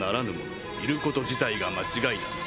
「いること自体が間違いだ」